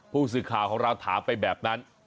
ผู้สื่อข่าวของเราถามไปแบบนั้น